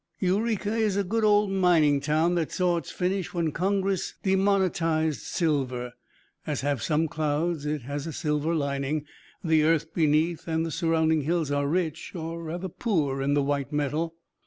_ Eureka is a good old mining town that saw its finish when Congress demonetized silver. As have some clouds, it has a silver lining; the earth beneath and the surrounding hills are rich, or rather poor, in the white metal.